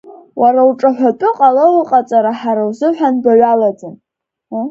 Уара уҿаҳәатәы ҟало уҟаҵара ҳара ҳзыҳәан баҩ алаӡам.